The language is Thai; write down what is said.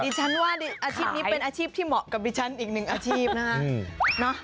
ดิฉันว่าอาชีพนี้เป็นอาชีพที่เหมาะกับดิฉันอีกหนึ่งอาชีพนะคะ